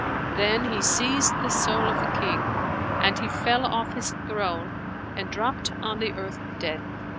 Then he seized the soul of the King, and he fell off his throne and dropped on the earth dead.